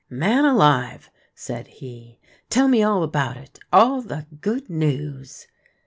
" Man alive !" said he ;" tell me all about it. Ah, the good news